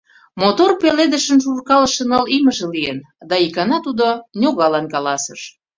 Мотор пеледышын шуркалыше ныл имыже лийын, да икана тудо ньогалан каласыш: